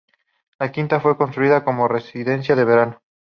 La Quinta fue construida como residencia de veraneo.